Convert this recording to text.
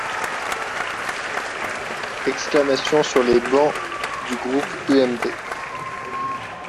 Exclamations sur les bancs du groupe UMP.